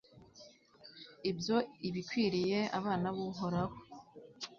ibyo ibikwiriye abana b'uhoraho